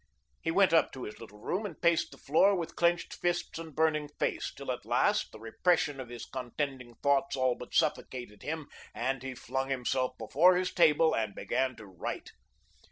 He went up to his little room and paced the floor with clenched fists and burning face, till at last, the repression of his contending thoughts all but suffocated him, and he flung himself before his table and began to write.